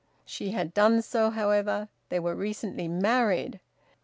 She had done so, however; they were recently married.